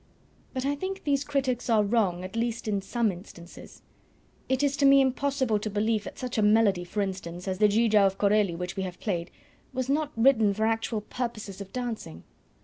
But I think these critics are wrong at least in some instances. It is to me impossible to believe that such a melody, for instance, as the Giga of Corelli which we have played, was not written for actual purposes of dancing.